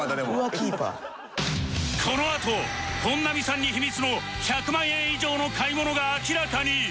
このあと本並さんに秘密の１００万円以上の買い物が明らかに